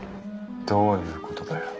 どういうことだよ。